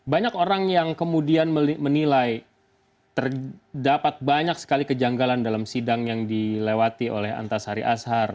banyak orang yang kemudian menilai terdapat banyak sekali kejanggalan dalam sidang yang dilewati oleh antasari ashar